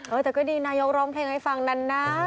เออแต่ก็ดีนายกร้องเพลงให้ฟังนั้นนะ